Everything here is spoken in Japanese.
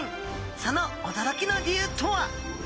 そのおどろきの理由とは？